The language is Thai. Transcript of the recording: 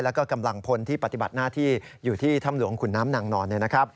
แล้วก็กำลังพลที่ปฏิบัติหน้าที่อยู่ที่ถ้ำหลวงขุนน้ำนางนอน